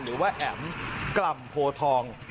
หรือว่าแอ๋มกล่ำโพทอง